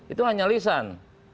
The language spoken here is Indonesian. itu hanya lisan